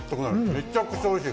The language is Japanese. めちゃくちゃおいしい。